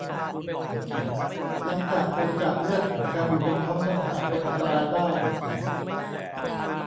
หลังจากบริจาคเลือดการอยู่บนท้องถนนอาจเป็นอันตรายได้